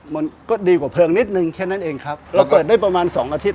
มันก็ดีกว่าเพลิงนิดนึงแค่นั้นเองครับเราเปิดได้ประมาณสองอาทิตย